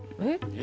え！